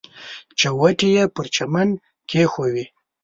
چوټې یې پر چمن کېښودې.